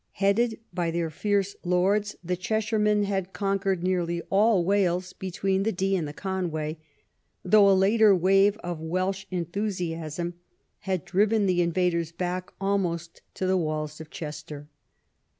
Headed by their fierce lords, the Cheshiremen had conquered nearly all Wales between the Dee and the Conway, though a later wave of Welsh enthusiasm had driven the invaders back almost to the walls of Chester.